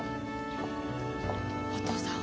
お父さん